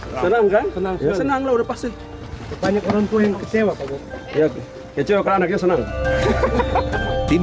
senang kan senang senanglah udah pasti banyak orangtuanya kecewa kecewa anaknya senang tim